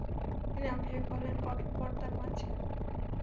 তিনি আবিষ্কার করলেন কঠোর পর্দার মাঝে।